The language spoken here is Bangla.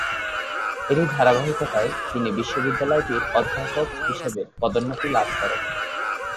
এরই ধারাবাহিকতায় তিনি বিশ্ববিদ্যালয়টির অধ্যাপক হিসেবে পদোন্নতি লাভ করেন।